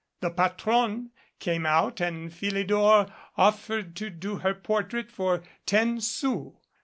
The patronne came out and Philidor offered to do her portrait for ten sous.